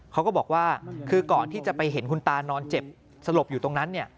เขาก็บอกว่าคือก่อนที่จะไปเห็นคุณตานอนเจ็บสลบอยู่ตรงนั้นเนี่ย